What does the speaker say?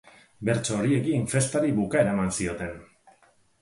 Bertso horiekin festari bukaera eman zioten.